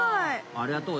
ありがとう。